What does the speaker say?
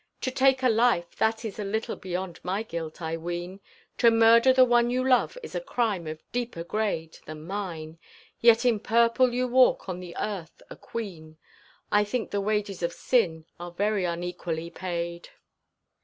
To take a life That is a little beyond my guilt, I ween, To murder the one you love is a crime of deeper grade Than mine, yet in purple you walk on the earth a queen; I think the wages of sin are very unequally paid.